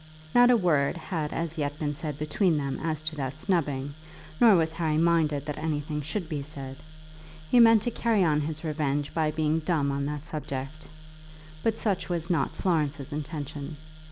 Not a word had as yet been said between them as to that snubbing, nor was Harry minded that anything should be said. He meant to carry on his revenge by being dumb on that subject. But such was not Florence's intention.